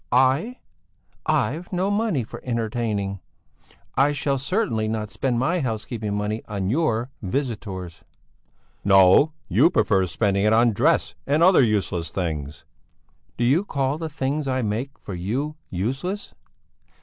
"I? I've no money for entertaining. I shall certainly not spend my housekeeping money on your visitors." "No, you prefer spending it on dress and other useless things." "Do you call the things I make for you useless?